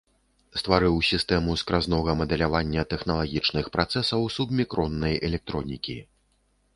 Стварыў сістэму скразнога мадэлявання тэхналагічных працэсаў субмікроннай электронікі.